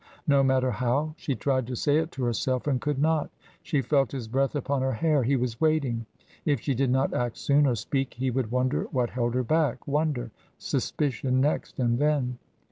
No matter how she tried to say it to herself and could not. She felt his breath upon her hair. He was waiting. If she did not act soon or speak he would wonder what held her back wonder suspicion next and then?